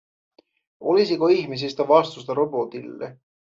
Olisiko ihmisistä vastusta robotille?